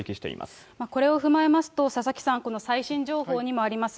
これを踏まえますと、佐々木さん、この最新情報にもあります